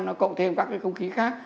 nó cộng thêm các cái công ký khác